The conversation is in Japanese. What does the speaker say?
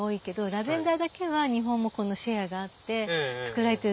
ラベンダーだけは日本もこのシェアがあって作られてる。